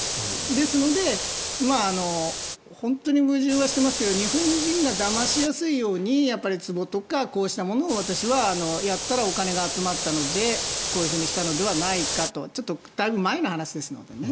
ですので本当に矛盾はしてますけど日本人がだましやすいようにつぼとか、こうしたものを私はやったらお金が集まったのでこういうふうにしたのではないかとだいぶ前の話ですけどね。